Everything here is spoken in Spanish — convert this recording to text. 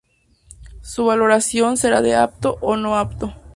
Su valoración será de "apto" o "no apto".